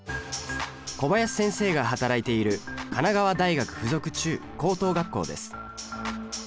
小林先生が働いている神奈川大学附属中・高等学校です。